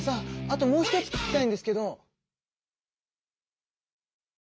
あともう一つ聞きたいんですけど！